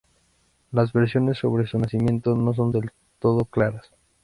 Las versiones sobre su nacimiento no son del todo claras.